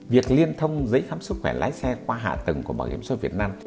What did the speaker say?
việc liên thông giấy khám sức khỏe lái xe qua hạ tầng của bảo hiểm xuất việt nam